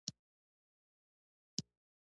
د سرک حریم د دایمي ملکیت برخه ګرځي